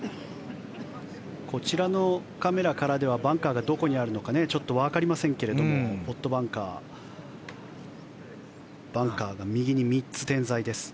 こちらのカメラからではバンカーがどこにあるのかちょっとわかりませんがポットバンカーバンカーが右に３つ点在です。